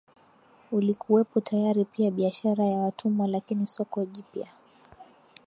ulikuwepo tayari pia biashara ya watumwa Lakini soko jipya